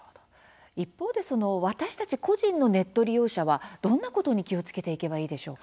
一方で私たち個人のネット利用者はどんなことに気をつけていけばいいでしょうか。